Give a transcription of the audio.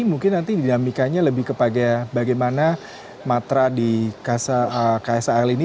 jadi mungkin nanti dinamikanya lebih kepada bagaimana matra di ksar ini